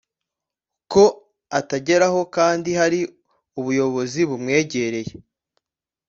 ko atageraho kandi hari ubuyobozi bumwegereye